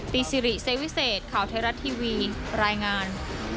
ซิริเซวิเศษข่าวไทยรัฐทีวีรายงาน